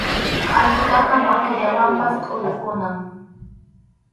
Qʼaytutaqa makillawanpas kʼuyukunam.